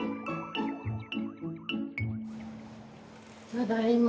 ただいま。